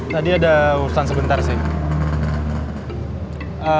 tadi ada urusan sebentar sih